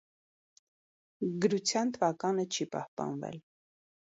Գրության թվականը չի պահպանվել։